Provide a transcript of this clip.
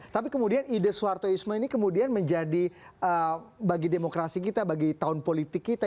tapi kemudian ide soehartoisme ini kemudian menjadi bagi demokrasi kita bagi tahun politik kita